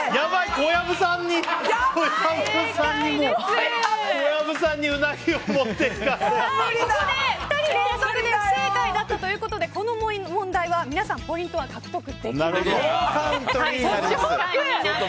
ここで２人が連続不正解だったということでこの問題は皆さんポイントは獲得できません。